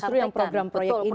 justru yang program proyek ini ya